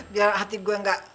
biar hati gue gak